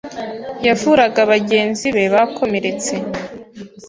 yavuraga bagenzi be bakomeretse